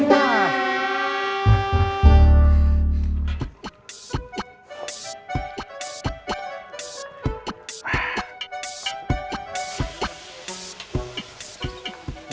gak ada apa apa